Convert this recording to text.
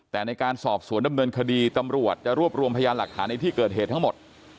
แต่ในการสอบสวนดำเนินคดีตำรวจจะรวบรวมพยานหลักฐานในที่เกิดเหตุทั้งหมด